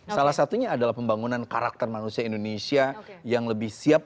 salah satunya adalah pembangunan karakter manusia indonesia yang lebih siap